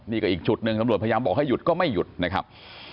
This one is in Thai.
นี่ก็อีกจุดหนึ่งตำรวจพยายามบอกให้หยุดก็ไม่หยุดนะครับ